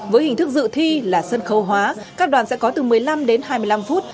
với hình thức dự thi là sân khấu hóa các đoàn sẽ có từ một mươi năm đến hai mươi năm phút